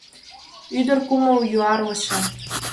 Ӱдыр кумыл — юарлыше!